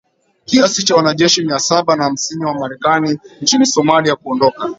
kiasi cha wanajeshi mia saba na hamsini wa Marekani nchini Somalia kuondoka